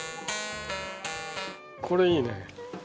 これいいね。